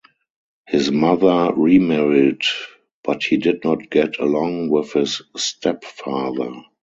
His mother remarried, but he did not get along with his stepfather.